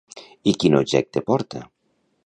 I quin objecte porta?